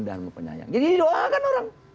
dan penyayang jadi didoakan orang